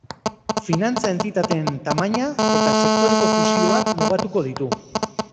Finantza-entitateen tamaina eta sektoreko fusioak mugatuko ditu.